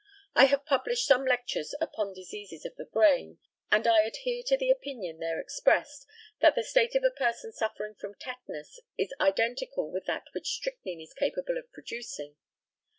I have published some lectures upon diseases of the brain, and I adhere to the opinion there expressed that the state of a person suffering from tetanus is identical with that which strychnine is capable of producing.